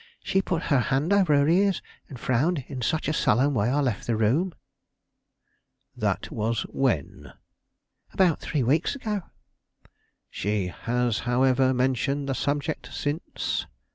She put her hand over her ears and frowned in such a sullen way I left the room." "That was when?" "About three weeks ago." "She has, however, mentioned the subject since?"